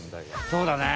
そうだね。